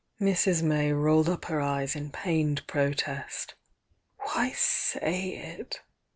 ' Mrs. May rolled up her eyes in pained protest Why say it?"